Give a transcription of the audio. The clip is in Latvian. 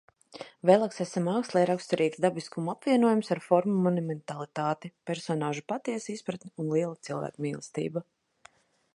Velaskesa mākslai raksturīgs dabiskuma apvienojums ar formu monumentalitāti, personāžu patiesa izpratne un liela cilvēkmīlestība.